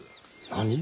何？